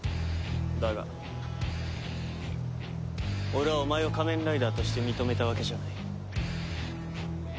だが俺はお前を仮面ライダーとして認めたわけじゃない。